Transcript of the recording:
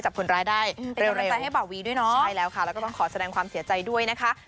ใช่แล้วค่ะแล้วก็ต้องขอแสดงความเสียใจด้วยนะคะ